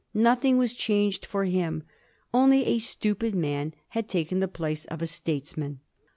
Nothing was changed for him; only a stupid man had taken the place of a states man.